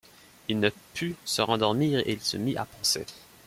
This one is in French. Il ne put se rendormir, et il se mit à penser.